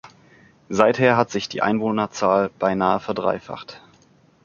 Seither hat sich die Einwohnerzahl beinahe verdreifacht.